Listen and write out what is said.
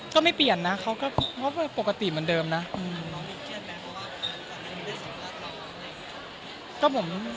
เมื่อได้มีนักศึกษาเที่ยงขาวที่น้องเจอแม้ว่า